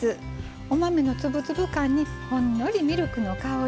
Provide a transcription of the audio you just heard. お豆の粒々感にほんのりミルクの香り。